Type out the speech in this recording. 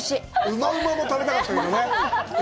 馬うまも食べたかったけどね。